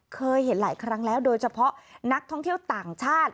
เคยเห็นหลายครั้งแล้วโดยเฉพาะนักท่องเที่ยวต่างชาติ